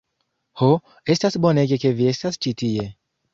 Ho, estas bonege ke vi estas ĉi tie.